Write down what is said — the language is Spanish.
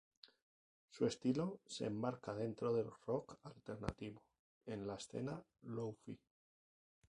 Su estilo se enmarca dentro del rock alternativo, en la escena lo-fi.